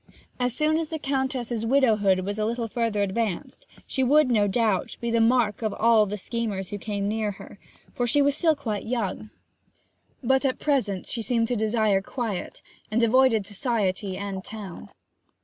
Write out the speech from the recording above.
As soon as the Countess's widowhood was a little further advanced she would, no doubt, be the mark of all the schemers who came near her, for she was still quite young. But at present she seemed to desire quiet, and avoided society and town.